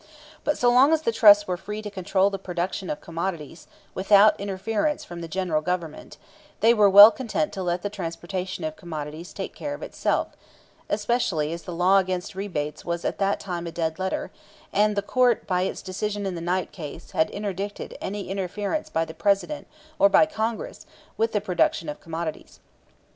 But so long as the trusts were free to control the production of commodities without interference from the General Government, they were well content to let the transportation of commodities take care of itself especially as the law against rebates was at that time a dead letter; and the Court by its decision in the Knight case had interdicted any interference by the President or by Congress with the production of commodities.